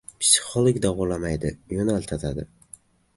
Psixolog davolamaydi, yoʻnaltiradi.